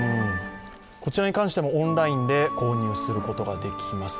こちらに関してもオンラインで購入することができます。